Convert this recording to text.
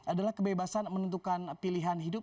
adalah kebebasan menentukan pilihan hidup